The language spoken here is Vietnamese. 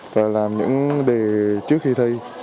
và làm những đề trước khi thi